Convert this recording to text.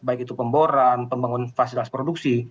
baik itu pemboran pembangun fasilitas produksi